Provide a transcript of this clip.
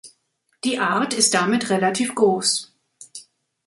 Die Art ist damit relativ groß.